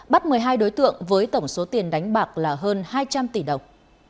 bắt một mươi hai đối tượng với tổng số tiền đánh bạc là hơn hai trăm linh tỷ đồng